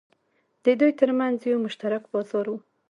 د دوی ترمنځ یو مشترک بازار و.